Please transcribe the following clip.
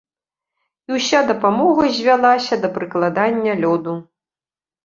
І ўся дапамога звялася да прыкладання лёду.